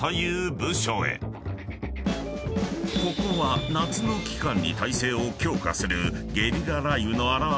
［ここは夏の期間に態勢を強化する］